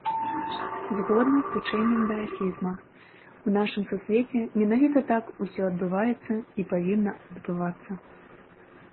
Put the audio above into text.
Згодна з вучэннем даасізма, у нашым сусвеце менавіта так усё адбываецца і павінна адбывацца.